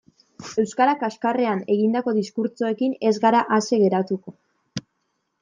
Euskara kaxkarrean egindako diskurtsoekin ez gara ase geratuko.